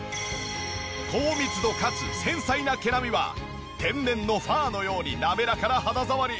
高密度かつ繊細な毛並みは天然のファーのように滑らかな肌触り。